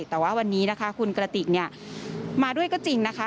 แต่ว่าวันนี้คุณกระติกมาด้วยก็จริงนะคะ